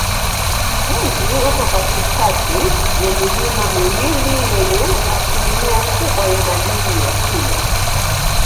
Mji uko katikati ya milima miwili yenye asilimia kubwa ya madini ya chuma.